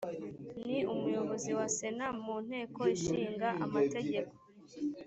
ni umuyobozi wa sena mu nteko ishinga amategeko